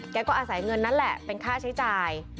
ก็อาศัยเงินนั้นแหละเป็นค่าใช้จ่าย